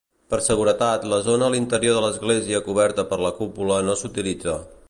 Per seguretat la zona a l'interior de l'església coberta per la cúpula no s'utilitza.